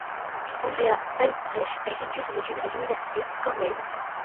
Andreas Albrecht a effectué ses études à l'université Cornell.